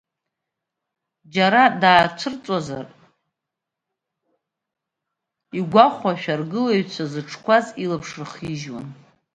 Џьара даацәырҵуазар игәахәшәа, аргылаҩцәа зыҿқәаз илаԥш рыхижьуан.